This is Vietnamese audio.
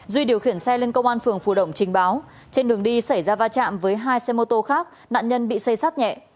duy điều khiển xe lên công an phường phù động trình báo trên đường đi xảy ra va chạm với hai xe mô tô khác nạn nhân bị xây sát nhẹ